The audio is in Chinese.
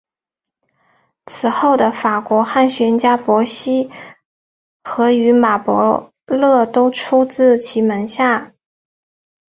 此后的法国汉学家伯希和与马伯乐都出自其门下。